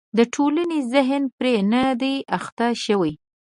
د ټولنې ذهن پرې نه دی اخته شوی.